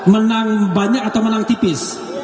menang banyak atau menang tipis